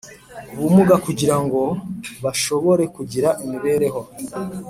Ubumuga kugirango bashobore kugira imibereho